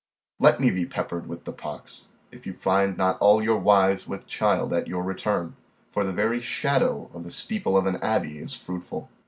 Let me be peppered with the pox, if you find not all your wives with child at your return; for the very shadow of the steeple of an abbey is fruitful.